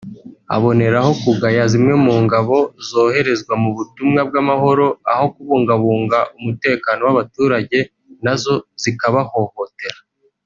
aboneraho kugaya zimwe mu ngabo zoherezwa mu butumwa bw’amahoro aho kubungabunga umutekano w’abaturage nazo zikabahohotera